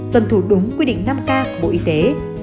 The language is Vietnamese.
tuân thủ đúng quy định năm k của bộ y tế